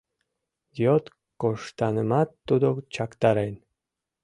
Йот коштанымат тудо чактарен